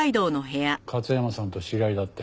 勝山さんと知り合いだって。